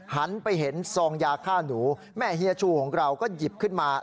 หันไปเห็นซองยาฆ่าหนูแม่เฮียชูของเราก็หยิบขึ้นมา